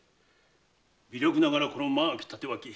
微力ながらこの間垣帯刀